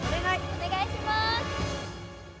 お願いします。